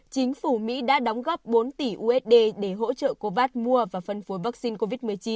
chính phủ mỹ đã đóng góp bốn tỷ usd để hỗ trợ covas mua và phân phối vaccine covid một mươi chín